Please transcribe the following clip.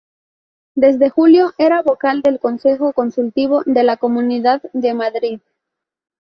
Desde julio era vocal del Consejo Consultivo de la Comunidad de Madrid.